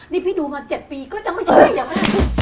นี่พี่ดูมา๗ปีก็ยังไม่เชื่อใจ